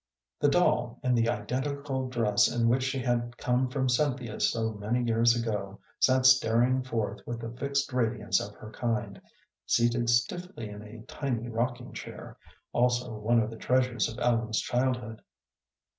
The doll, in the identical dress in which she had come from Cynthia's so many years ago, sat staring forth with the fixed radiance of her kind, seated stiffly in a tiny rocking chair, also one of the treasures of Ellen's childhood.